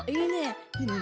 いいね！